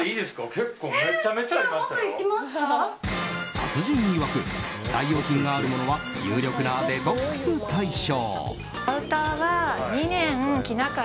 達人いわく代用品があるものは有力なデトックス対象。